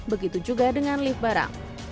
begitu juga dengan lift barang